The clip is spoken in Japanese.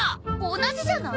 同じじゃない？